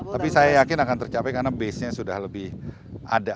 tapi saya yakin akan tercapai karena base nya sudah lebih ada